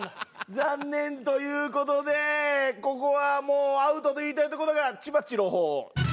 残念という事でここはもうアウトと言いたいとこだがちばっち朗報を！